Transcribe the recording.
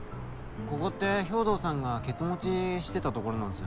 ここって豹堂さんがケツ持ちしてたところなんすよね。